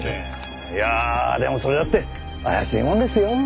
いやでもそれだって怪しいもんですよ。